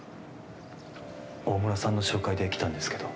大村さんの紹介で来たんですけど。